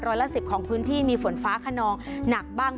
ร้อยละ๑๐ของพื้นที่มีฝนฟ้าขนองหนักบ้าง